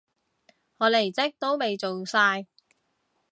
我離職都未做晒